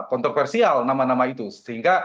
kontroversial nama nama itu sehingga